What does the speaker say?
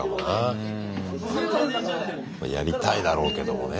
やりたいだろうけどもね。